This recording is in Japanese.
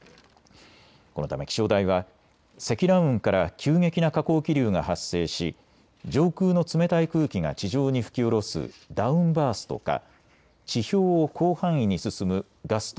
このため気象台は積乱雲から急激な下降気流が発生し上空の冷たい空気が地上に吹き降ろすダウンバーストか地表を広範囲に進むガスト